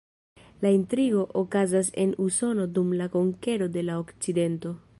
La intrigo okazas en Usono dum la konkero de la okcidento.